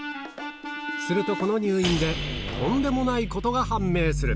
するとこの入院で、とんでもないことが判明する。